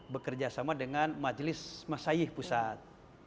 bekerja sama dengan majelis masayih pusat